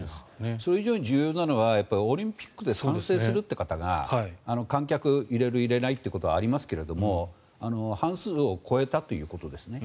それ以上に重要なのはオリンピックに賛成するという方が観客を入れる、入れないということはありますが半数を超えたということですね。